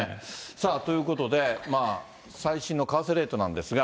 さあ、ということで、最新の為替レートなんですが。